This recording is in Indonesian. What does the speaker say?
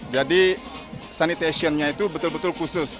jadi sanitation nya itu betul betul khusus